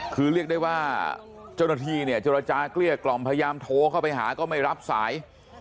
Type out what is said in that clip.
คือเรียกได้ว่าเจ้าหน้าที่เนี่ยเจรจาเกลี้ยกล่อมพยายามโทรเข้าไปหาก็ไม่รับสาย